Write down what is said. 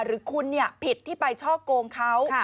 หรือคุณผิดที่ไปช่อโกงเขา